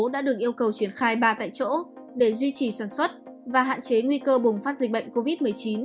đã được yêu cầu triển khai ba tại chỗ để duy trì sản xuất và hạn chế nguy cơ bùng phát dịch bệnh covid một mươi chín